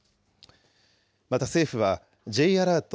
また政府は、Ｊアラート